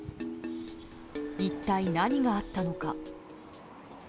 一体、何があったのか。